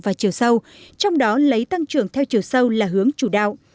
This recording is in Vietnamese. và chiều sâu trong đó lấy tăng trưởng theo chiều sâu là hướng chủ đạo